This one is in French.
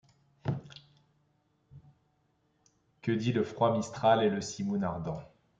Que dit le froid mistral et le simoun ardent ?